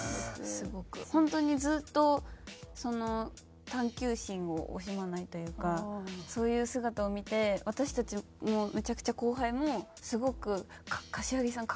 本当にずっと探究心を惜しまないというかそういう姿を見て私たちもめちゃくちゃ後輩もすごく柏木さん